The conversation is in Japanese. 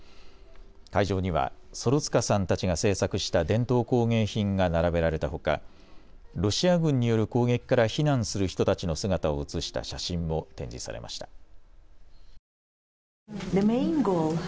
会場にはソロツカさんたちが制作した伝統工芸品が並べられたほかロシア軍による攻撃から避難する人たちの姿を映した写真も展示されました。